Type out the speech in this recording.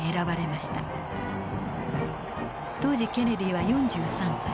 当時ケネディは４３歳。